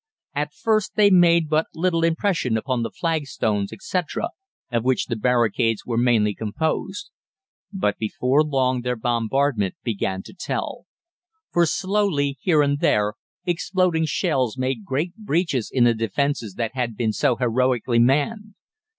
"At first they made but little impression upon the flagstones, etc., of which the barricades were mainly composed. But before long their bombardment began to tell; for slowly, here and there, exploding shells made great breaches in the defences that had been so heroically manned.